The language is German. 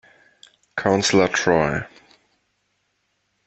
Counselor Troy